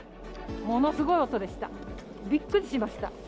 ものすごい音でした、びっくりしました。